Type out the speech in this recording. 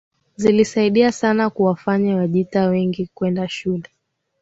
zilisaidia sana kuwafanya Wajita wengi kwenda shule